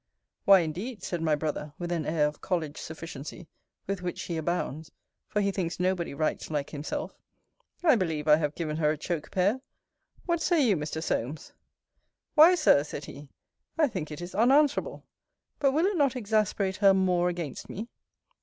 Why, indeed, said my brother, with an air of college sufficiency, with which he abounds, (for he thinks nobody writes like himself,) I believe I have given her a choke pear. What say you, Mr. Solmes? Why, Sir, said he, I think it is unanswerable. But will it not exasperate he more against me?